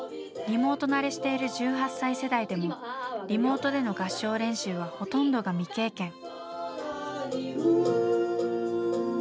リモート慣れしている１８歳世代でもリモートでの合唱練習はほとんどが未経験。